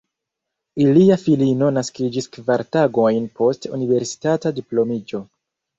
Ilia filino naskiĝis kvar tagojn post universitata diplomiĝo.